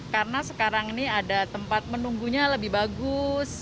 karena sekarang ini ada tempat menunggunya lebih bagus